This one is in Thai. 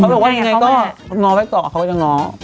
เฉียงจะง้อไปก่อน